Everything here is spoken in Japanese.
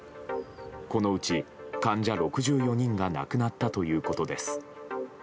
このうち患者６４人が亡くなったということです。